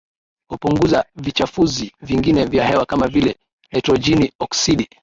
hupunguza vichafuzi vingine vya hewa kama vile nitrojeni oksidi